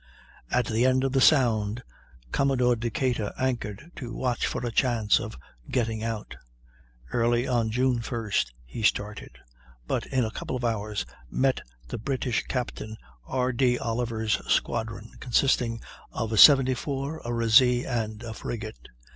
At the end of the sound Commodore Decatur anchored to watch for a chance of getting out. Early on June 1st he started; but in a couple of hours met the British Captain R. D. Oliver's squadron, consisting of a 74, a razee, and a frigate.